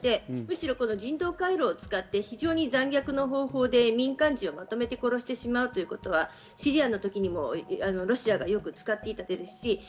むしろ人道回廊を使って非常に残虐な方法で民間人をまとめて殺してしまおうということはシリアの時にもロシアがよく使っていた手です。